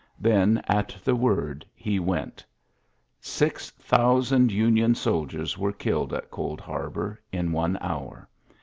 Then, at the word, he went. Six thousand TJnion soldiers were killed at Cold Harbor in one hour.